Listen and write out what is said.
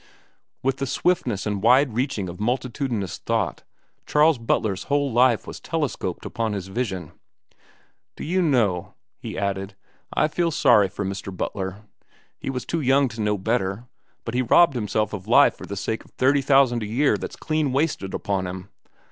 With the swiftness and wide reaching of multitudinous thought Charles Butler's whole life was telescoped upon his vision. "Do you know," he added, "I feel sorry for Mr. Butler. He was too young to know better, but he robbed himself of life for the sake of thirty thousand a year that's clean wasted upon him.